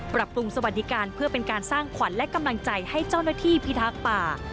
ปรับปรุงสวัสดิการเพื่อเป็นการสร้างขวัญและกำลังใจให้เจ้าหน้าที่พิทักษ์ป่า